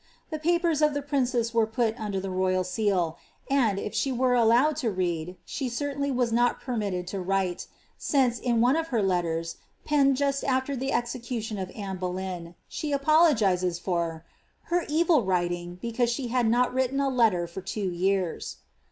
The papers of the princess were put under the royal seal, and, if she was allowed to read, she certainly was not pemiilled to write; since, in one of her letters, penned jnsl after die execution of Anne Boleyn, she apologises for " her evil writing, be cause she bad not written a letter for two years."